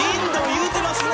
言うてますね！